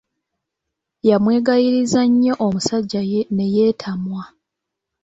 Yamwegayiriza nnyo omusajja ne yeetamwa.